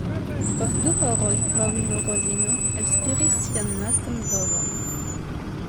Post du horoj fraŭlino Rozino elspiris sian lastan blovon.